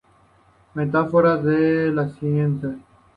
Metáforas en las ciencias.